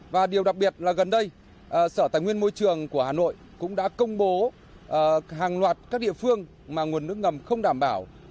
và điều đặc biệt là gần đây sở tài nguyên môi trường của hà nội cũng đã công bố hàng loạt các địa phương mà nguồn nước ngầm không đảm bảo